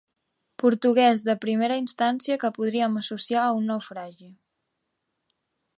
Portuguès de primera instància que podríem associar a un naufragi.